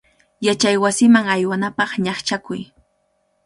Yachaywasiman aywanapaq ñaqchakuy.